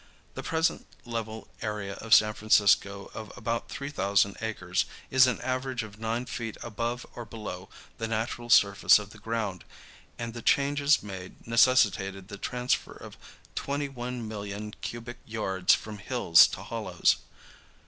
The present level area of San Francisco of about three thousand acres is an average of nine feet above or below the natural surface of the ground and the changes made necessitated the transfer of 21,000,000 cubic yards from hills to hollows.